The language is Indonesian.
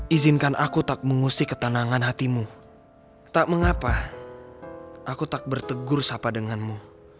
izinkan aku tak mengusik ketenangan hatimu tak mengapa aku tak bertegur sapa denganmu